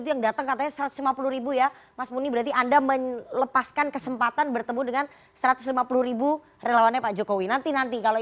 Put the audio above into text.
jatahnya pak prabowo